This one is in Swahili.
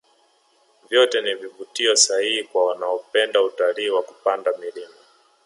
vyote ni vivutio sahihi kwa wanaopenda utalii wa kupanda milima